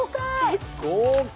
豪快。